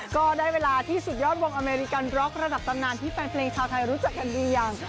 ก็ได้เวลาที่สุดยอดวงอเมริกันบล็อกระดับตำนานที่แฟนเพลงชาวไทยรู้จักกันดีอย่าง